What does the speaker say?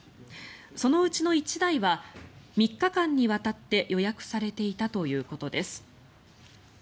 そのうちの１台は３日間にわたって予約されていたということです。